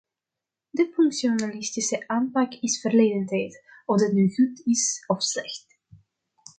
De functionalistische aanpak is verleden tijd, of dat nu goed is of slecht.